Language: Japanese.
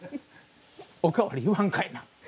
おかわり言わんかいな。